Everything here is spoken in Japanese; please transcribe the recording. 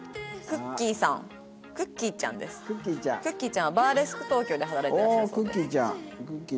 クッキーちゃんはバーレスク東京で働いてらっしゃるそうです。